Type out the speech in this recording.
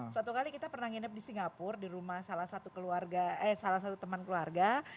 suatu kali kita pernah nginep di singapura di rumah salah satu keluarga eh salah satu teman keluarga